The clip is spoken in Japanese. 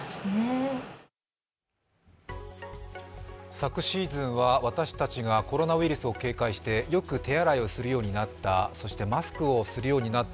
昨シーズンは私たちがコロナウイルスを警戒してよく手洗いをするようになった、そしてマスクをするようになった。